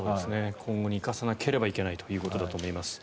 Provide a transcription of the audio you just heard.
今後に生かさなければいけないということだと思います。